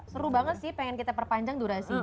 seru banget sih pengen kita perpanjang durasinya